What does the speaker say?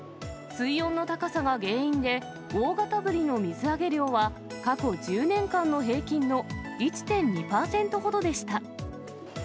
水温の高さが原因で、大型ブリの水揚げ量は過去１０年間の平均の１．２％ほどでした。